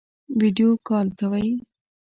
ویډیو کال کوئ؟